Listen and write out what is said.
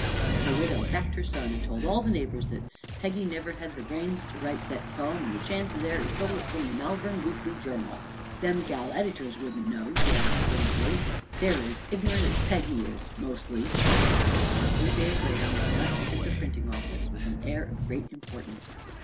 The widow backed her son and told all the neighbors that "Peggy never hed the brains to write thet pome, an' the chances air he stole it from the 'Malvern Weekly Journal.' Them gal edyturs wouldn't know," she added scornfully; "they's as ignerunt as Peggy is, mostly." A few days later McNutt entered the printing office with an air of great importance.